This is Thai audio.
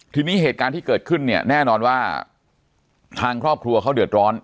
ทีนี้เหตุการณ์ที่เกิดขึ้นเนี่ยแน่นอนว่าทางครอบครัวเขาเดือดร้อน